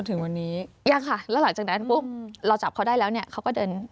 ยิ้มกล่าวแบบนี้ก็